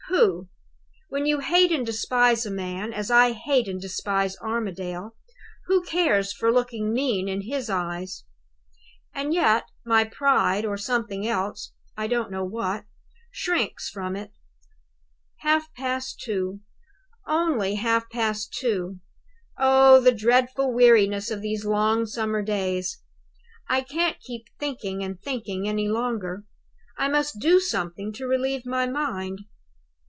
Pooh! When you hate and despise a man, as I hate and despise Armadale, who cares for looking mean in his eyes? "And yet my pride or my something else, I don't know what shrinks from it. "Half past two only half past two. Oh, the dreadful weariness of these long summer days! I can't keep thinking and thinking any longer; I must do something to relieve my mind.